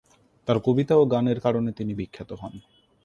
তার কবিতা ও গানের কারণে তিনি বিখ্যাত হন।